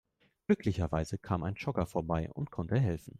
Glücklicherweise kam ein Jogger vorbei und konnte helfen.